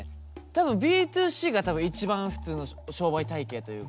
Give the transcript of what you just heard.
多分Ｂ２Ｃが多分一番普通の商売体系というか。